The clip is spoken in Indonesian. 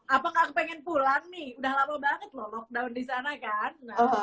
apakah pengen pulang nih udah lama banget loh lockdown di sana kan